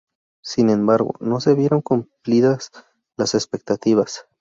Sin embargo, no se vieron cumplidas las expectativas.